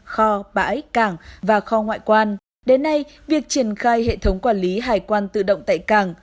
kho bãi cảng và kho ngoại quan đến nay việc triển khai hệ thống quản lý hải quan tự động tại cảng